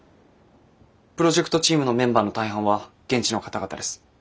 プロジェクトチームのメンバーの大半は現地の方々です。